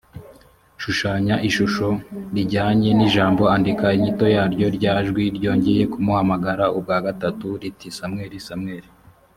shushanya ishusho rijyanye n ijambo andika inyito yaryo rya jwi ryongeye kumuhamagara ubwa gatatu riti samweli samweli